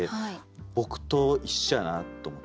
僕と一緒やなと思って。